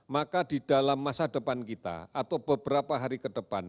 maka di dalam masa depan kita atau beberapa hari ke depan